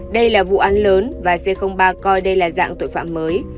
đây là vụ án lớn và c ba coi đây là dạng tội phạm mới